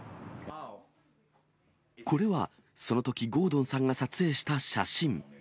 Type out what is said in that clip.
これはそのとき、ゴードンさんが撮影した写真。